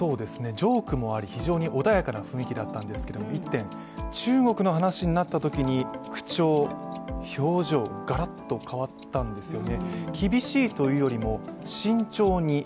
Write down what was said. ジョークもあり非常に穏やかな雰囲気だったんですけれども１点、中国の話になったときに口調、表情がらっと変わったんですよね。